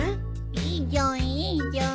いいじゃんいいじゃん。